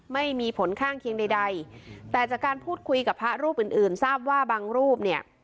ไม่มีผลข้างเคียงใดใดแต่จากการพูดคุยกับพระรูปอื่นอื่นทราบว่าบางรูปเนี่ย